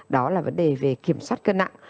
đó là vấn đề về kiểm soát cân nặng